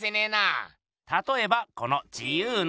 たとえばこの自由の女神。